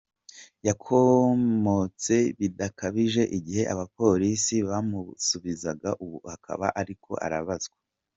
Yakometse bidakabije igihe abapolisi bamusubiza, ubu akaba ariko arabazwa.